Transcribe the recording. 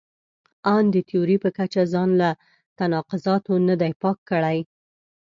ان د تیوري په کچه ځان له تناقضاتو نه دی پاک کړی.